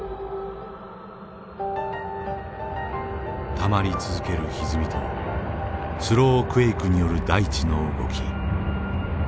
たまり続けるひずみとスロークエイクによる大地の動き。